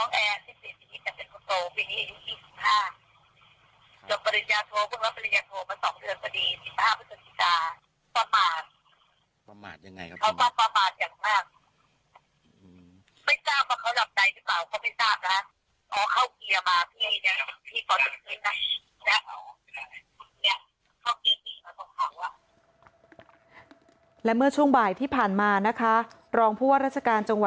ไม่ทราบว่าเขาหลับใดสิบ่ะเขาไม่ทราบนะฮะ